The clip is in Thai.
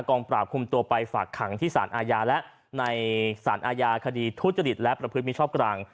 งปราบคุมตัวไปฝากขังที่สารอาญาและในสารอาญาคดีทุจริตและประพฤติมิชอบกลาง